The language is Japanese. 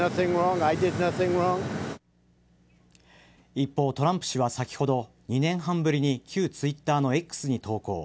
一方、トランプ氏は先ほど２年半ぶりに旧ＴｗｉｔｔｅｒのＸに投稿。